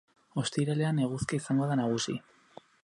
Ostiralean eguzkia izango da nagusi.